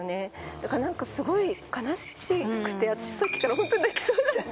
だから、なんかすごい悲しくて、私、さっきから本当に泣きそうになって。